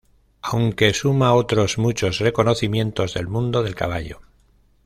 Aunque suma otros mucho reconocimientos del mundo del caballo